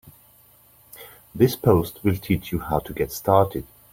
This post will teach you how to get started.